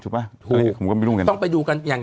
ถูกต้องไปดูกันอย่าง